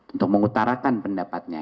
untuk mengutarakan pendapatnya